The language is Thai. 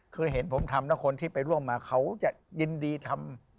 คือเห็นผมทำแล้วคนที่ไปร่วมมาเขาจะยินดีทำ